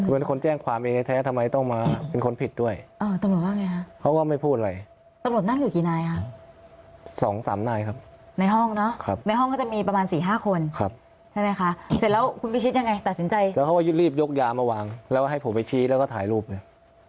เป็นคนแจ้งความเองแท้ทำไมต้องมาเป็นคนผิดด้วยตำรวจว่าไงฮะเขาก็ไม่พูดอะไรตำรวจนั่งอยู่กี่นายค่ะสองสามนายครับในห้องเนอะในห้องก็จะมีประมาณสี่ห้าคนครับใช่ไหมคะเสร็จแล้วคุณพิชิตยังไงตัดสินใจแล้วเขาก็รีบยกยามาวางแล้วให้ผมไปชี้แล้วก็ถ่ายรูปเลย